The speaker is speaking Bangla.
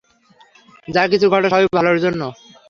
যা কিছু ঘটে, সবই ভালর জন্য।